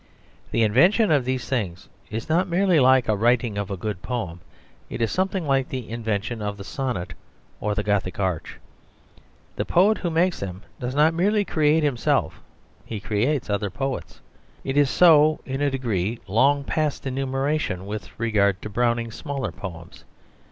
The invention of these things is not merely like the writing of a good poem it is something like the invention of the sonnet or the Gothic arch. The poet who makes them does not merely create himself he creates other poets. It is so in a degree long past enumeration with regard to Browning's smaller poems.